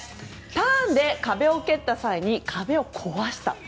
ターンで壁を蹴った際に壁を壊した。